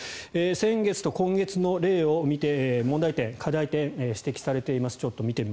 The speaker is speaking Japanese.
先月と今月の例を問題点、課題点が指摘されています。